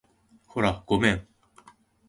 ほら、ごめん